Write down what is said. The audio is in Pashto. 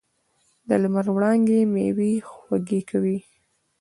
د لمر وړانګې میوې خوږې کوي.